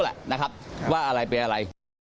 ว่าสิ่งที่มันเป็นอะไร